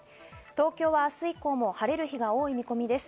東京は明日以降も晴れる日が多い見込みです。